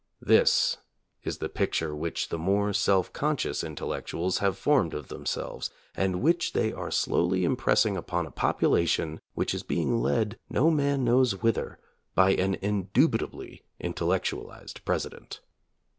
This is the pic ture which the more self conscious intellectuals have formed of themselves, and which they are slowly impressing upon a population which is be ing led no man knows whither by an indubitably intellectualized President.